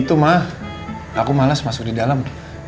itu mah aku males masuk di dalam